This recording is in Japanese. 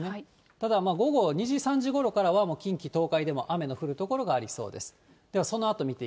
ただ、午後２時、３時ごろからは、もう近畿、東海でも雨の降る所がありそうです。